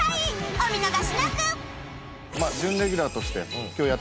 お見逃しなく